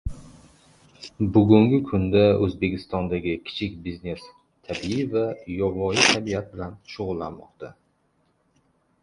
Bugungi kunda O'zbekistondagi kichik biznes tabiiy va yovvoyi tabiat bilan shug'ullanmoqda.